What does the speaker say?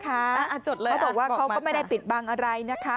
เขาบอกว่าเขาก็ไม่ได้ปิดบังอะไรนะคะ